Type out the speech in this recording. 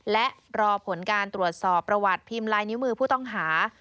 และรอผลการตรวจสอบประวัติพิมพ์ลายนิ้วมือผู้ต้องหา